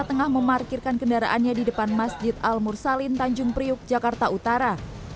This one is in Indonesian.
tengah memarkirkan kendaraannya di depan masjid al mursalin tanjung priuk jakarta utara